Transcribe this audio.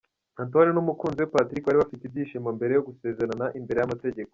Antoinette n'umukunzi we Patrick bari bafite ibyishimo mbere yo gusezerana imbere y'amategeko.